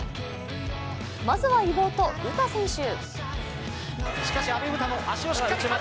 まずは妹・詩選手。